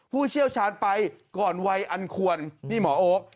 ผู้เชี่ยวชาญไปก่อนวัยอันควรนี่หมอโอ๊ค